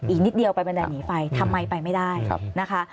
อีกนิดเดียวไปบันไดหนีไฟทำไมไปไม่ได้นะคะ